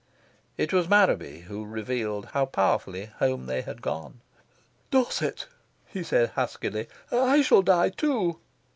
It was Marraby who revealed how powerfully home they had gone. "Dorset," he said huskily, "I shall die too."